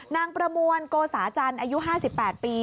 นางประมวลโกสาจันทร์อายุ๕๘ปี